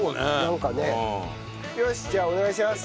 よしじゃあお願いします。